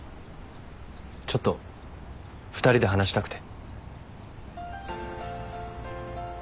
ちょっと２人で話したくて。